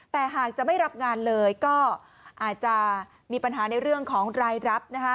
แต่หากจะไม่รับงานเลยก็อาจจะมีปัญหาในเรื่องของรายรับนะคะ